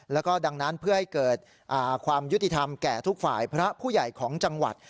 แล้วก็ดังนั้นเพื่อให้เกิดความยุติธรรมแก่ทุกฝ่ายพระผู้ใหญ่ของจังหวัด